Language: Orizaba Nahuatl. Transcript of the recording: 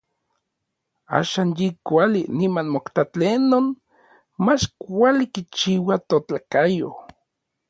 Axan yi kuali, niman mota tlenon mach kuali kichiua totlakayo.